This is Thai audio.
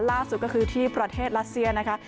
ล่าสุดก็คือที่ประเทศรัสเซียนะคะ